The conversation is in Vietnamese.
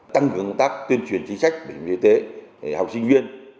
tăng cấp các công tác tuyên truyền chính sách bảo hiểm y tế học sinh viên